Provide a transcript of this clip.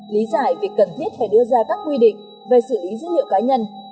lý giải việc cần thiết phải đưa ra các quy định về xử lý dữ liệu cá nhân